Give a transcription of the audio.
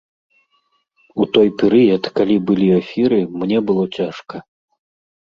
У той перыяд, калі былі эфіры, мне было цяжка.